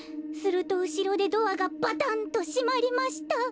すると、後ろでドアがバタン！と閉まりました」。